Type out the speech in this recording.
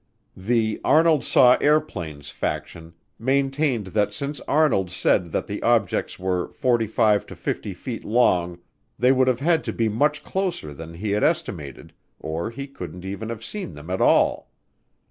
The "Arnold saw airplanes" faction maintained that since Arnold said that the objects were 45 to 50 feet long they would have had to be much closer than he had estimated or he couldn't even have seen them at all.